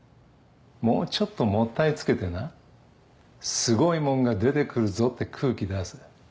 もうちょっともったいつけてなすごいもんが出てくるぞって空気出せ。